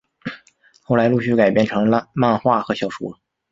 后来陆续改编成漫画和小说。